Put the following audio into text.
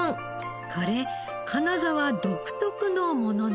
これ金沢独特のものなのです。